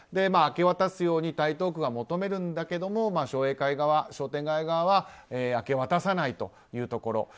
明け渡すように台東区が求めるんだけれども商栄会側、商店会側は明け渡さないというところ。